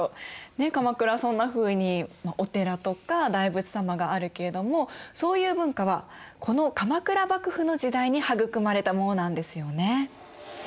鎌倉はそんなふうにお寺とか大仏様があるけれどもそういう文化はこの鎌倉幕府の時代に育まれたものなんですよね。